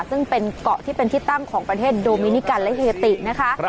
ซึ่งเป็นเกาะที่เป็นที่ตั้งของประเทศโดมินิกันและเฮตินะคะ